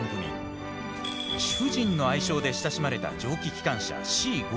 貴婦人の愛称で親しまれた蒸気機関車Ｃ５７１。